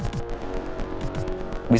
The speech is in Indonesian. saya akan berjaga jaga